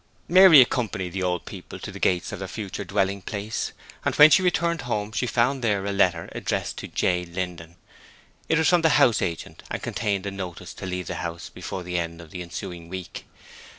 Mary accompanied the old people to the gates of their future dwelling place, and when she returned home she found there a letter addressed to J. Linden. It was from the house agent and contained a notice to leave the house before the end of the ensuing week.